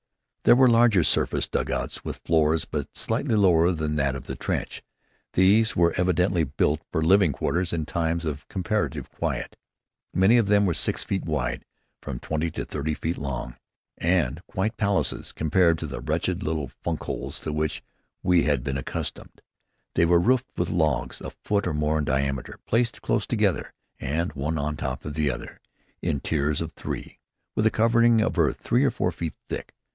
There were larger surface dugouts with floors but slightly lower than that of the trench. These were evidently built for living quarters in times of comparative quiet. Many of them were six feet wide and from twenty to thirty feet long, and quite palaces compared to the wretched little "funk holes" to which we had been accustomed. They were roofed with logs a foot or more in diameter placed close together and one on top of the other in tiers of three, with a covering of earth three or four feet thick.